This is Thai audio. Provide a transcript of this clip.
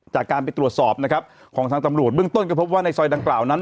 จากการไปตรวจสอบนะครับของทางตำรวจเบื้องต้นก็พบว่าในซอยดังกล่าวนั้น